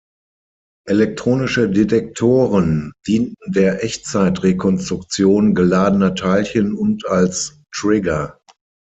Elektronische Detektoren dienten der Echtzeit-Rekonstruktion geladener Teilchen und als Trigger.